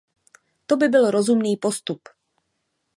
To by byl rozumný postup.